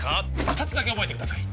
二つだけ覚えてください